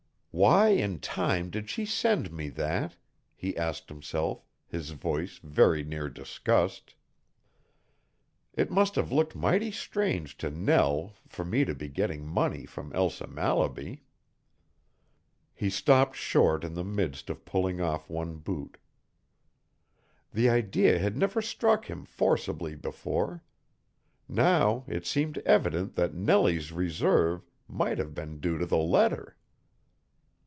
"Why in time did she send me that?" he asked himself, his voice very near disgust. "It must have looked mighty strange to Nell for me to be getting money from Elsa Mallaby." He stopped short in the midst of pulling off one boot. The idea had never struck him forcibly before. Now it seemed evident that Nellie's reserve might have been due to the letter.